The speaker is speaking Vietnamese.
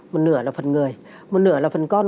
một nửa là phần người một nửa là phần con